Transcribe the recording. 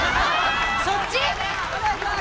そっち？